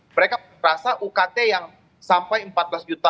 mereka merasa ukt yang sampai empat belas lima ratus ya